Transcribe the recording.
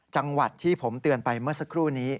จังหวัดที่ผมเตือนไปเมื่อสักครู่นี้